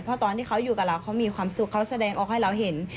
เพราะตอนที่เขาอยู่กับเราเขามีความสุขเขาแสดงออกให้เราเห็น